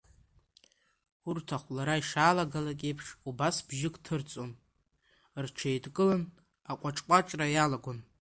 Урҭ ахәлара ишаалагалакь еиԥш, убас бжьык ҭырцон, рҽеидкылан аҟәаҿ-ҟәаҿра иалагон.